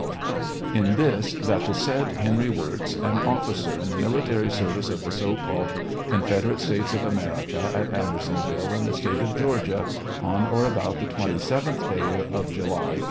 — In this : that the said Henry Wirz, an officer in tbe military service of the so called Confederate States of America, at Andersonville, in the State of Georgia, on or about tbe twenty seventh day of July, A.